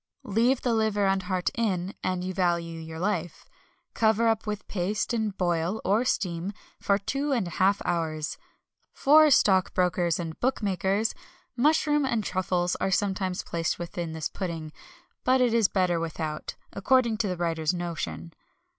Leave the liver and heart in, an you value your life. Cover up with paste, and boil (or steam) for two and a half hours. For stockbrokers and bookmakers, mushrooms and truffles are sometimes placed within this pudding; but it is better without according to the writer's notion.